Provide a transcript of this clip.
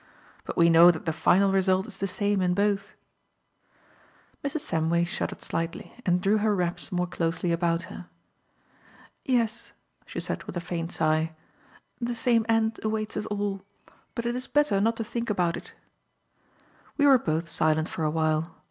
But we know that the final result is the same in both." Mrs. Samway shuddered slightly, and drew her wraps more closely about her. "Yes," she said with a faint sigh; "the same end awaits us all but it is better not to think about it." We were both silent for awhile.